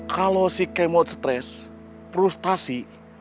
kalau si kemot stress frustasi